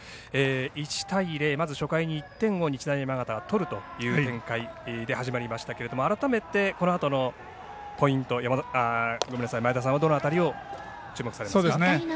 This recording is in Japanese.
１対０、まず初回に１点を日大山形が取るという展開で始まりましたけど改めてこのあとのポイント前田さんは、どの辺り注目をされますか？